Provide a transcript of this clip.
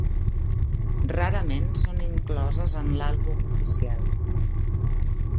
Rarament són incloses en l'àlbum oficial.